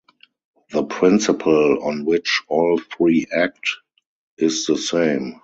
The principle on which all three act is the same.